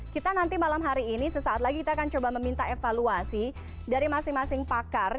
kita nanti malam hari ini sesaat lagi kita akan coba meminta evaluasi dari masing masing pakar